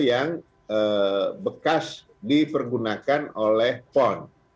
yang bekas dipergunakan oleh pon